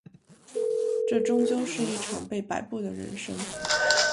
这终究是一场被摆布的人生